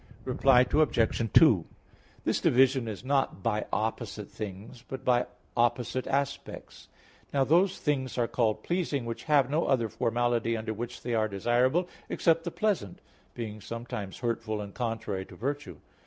Reply Obj. 2: This division is not by opposite things; but by opposite aspects. Now those things are called pleasing which have no other formality under which they are desirable except the pleasant, being sometimes hurtful and contrary to virtue.